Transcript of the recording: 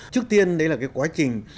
trước tiên đấy là cái quá trình